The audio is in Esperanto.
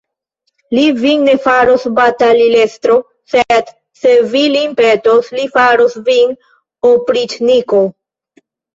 Li vin ne faros batalilestro, sed, se vi lin petos, li faros vin opriĉniko.